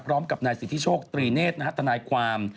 พร้อมกับนายสิทธิโชคตรีเนธทนายความ